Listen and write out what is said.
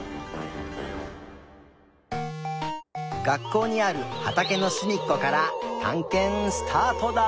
学校にあるはたけのすみっこからたんけんスタートだ！